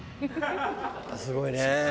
すごいね。